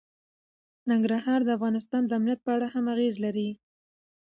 ننګرهار د افغانستان د امنیت په اړه هم اغېز لري.